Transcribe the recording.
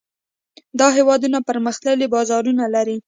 دا هېوادونه پرمختللي بازارونه لري.